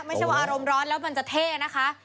ไม่ใช่ว่าอารมณ์ร้อนแล้วมันจะเท่นะคะ